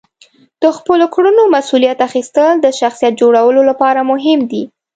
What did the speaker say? د خپلو کړنو مسئولیت اخیستل د شخصیت جوړولو لپاره مهم دي.